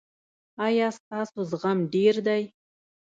ایا ستاسو زغم ډیر دی؟